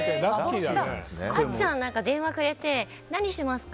あっちゃんは電話くれて何をしますか？